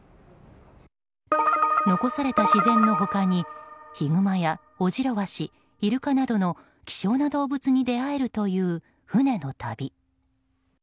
残された自然の他にヒグマやオジロワシイルカなどの希少な動物に出会えるという船の旅。